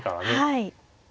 はい。